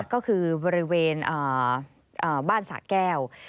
ก็คือบริเวณบ้านสะแก้ว